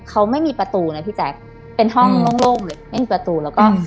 เขาไม่มีประตูนะพี่แจ๊คเป็นห้องโล่งเลยไม่มีประตูแล้วก็